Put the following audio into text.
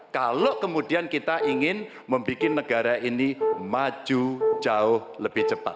kalau kemudian kita ingin membuat negara ini maju jauh lebih cepat